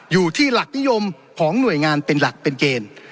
อยู่ที่หลักนิยมของหน่วยงานเป็นหลักเป็นเกณฑ์